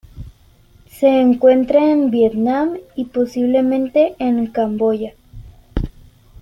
Se encuentra en el Vietnam y, posiblemente, en Camboya.